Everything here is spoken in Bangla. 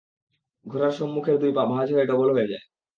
ঘোড়ার সম্মুখের দুই পা ভাঁজ হয়ে ডবল হয়ে যায়।